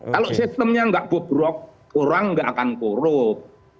kalau sistemnya nggak bobrok orang nggak akan korup